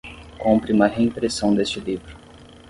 Compre uma reimpressão deste livro